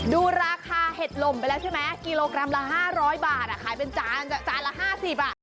ดูราคาเห็ดลมไปแล้วใช่ไหมกิโลกรัมละ๕๐๐บาทขายเป็นจานละ๕๐บาท